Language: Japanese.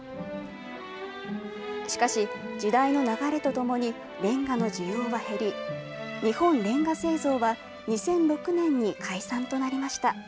しかし、時代の流れとともにれんがの需要は減り、日本煉瓦製造は２００６年に解散となりました。